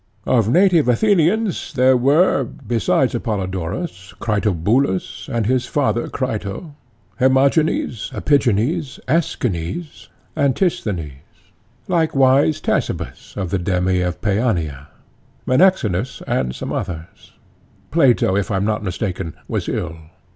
PHAEDO: Of native Athenians there were, besides Apollodorus, Critobulus and his father Crito, Hermogenes, Epigenes, Aeschines, Antisthenes; likewise Ctesippus of the deme of Paeania, Menexenus, and some others; Plato, if I am not mistaken, was ill.